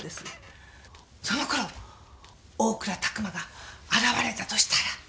その頃大倉琢磨が現れたとしたら！